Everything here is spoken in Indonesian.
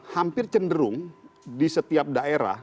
hampir cenderung di setiap daerah